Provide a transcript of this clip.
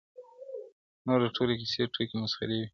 نور د ټولو كيسې ټوكي مسخرې وې!!